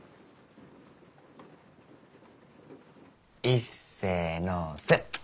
いっせのせ。